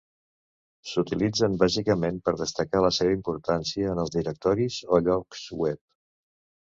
S'utilitzen bàsicament per destacar la seva importància en els directoris o llocs web.